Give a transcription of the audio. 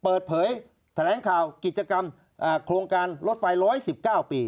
เปิดเผยแถลงข่าวกิจกรรมโครงการรถไฟ๑๑๙ปี